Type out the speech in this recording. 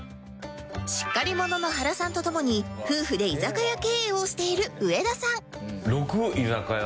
しっかり者の原さんとともに夫婦で居酒屋経営をしている上田さん